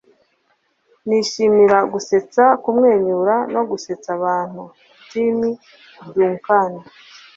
nishimira gusetsa, kumwenyura, no gusetsa abantu. - tim duncan